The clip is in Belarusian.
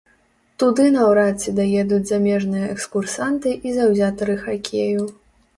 Туды наўрад ці даедуць замежныя экскурсанты і заўзятары хакею.